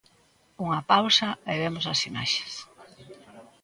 Unha pausa e vemos as imaxes.